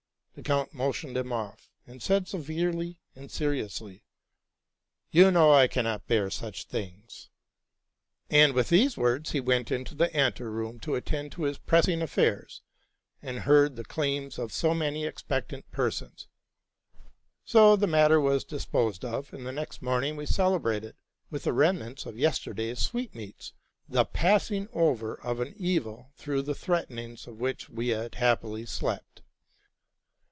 The count motioned him off, and said severely and seriously, '' You know I cannot bear such things.'? And with these words he went into the ante room to attend to his pressing affairs, and hear the claims of so RELATING TO MY LIFE. 87 many expectant persons. So the matter was disposed of ; and the next morning we celebrated, with the remnants of the yesterday's sweetmeats, the passing over of an evil through the threatenings of which we had happily slept..